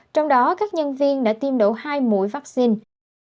trong đó các nhân viên đã tiêm đổ hai mũi vaccine